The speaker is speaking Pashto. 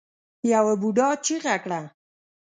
يوه بوډا چيغه کړه.